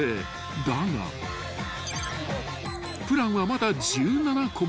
［だがプランはまだ１７個も］